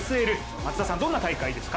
松田さん、どんな大会ですか？